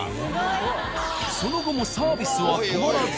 その後もサービスは止まらず。